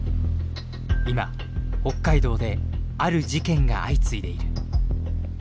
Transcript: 今北海道である事件が相次いでいる。